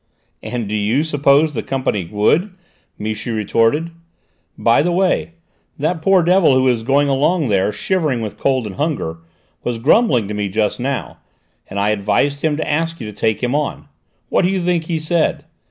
"And do you suppose the Company would?" Michu retorted. "By the way, that poor devil who is going along there, shivering with cold and hunger, was grumbling to me just now, and I advised him to ask you to take him on. What do you think he said?